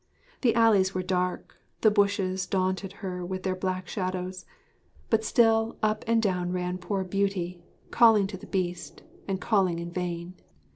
The alleys were dark; the bushes daunted her with their black shadows; but still up and down ran poor Beauty, calling to the Beast, and calling in vain.